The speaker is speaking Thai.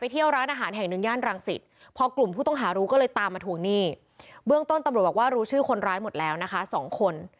ตรวจบอกว่ารู้ชื่อคนร้ายหมดแล้ว๒คน